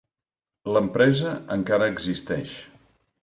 L'empresa encara existeix.